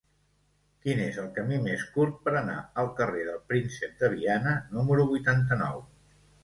Quin és el camí més curt per anar al carrer del Príncep de Viana número vuitanta-nou?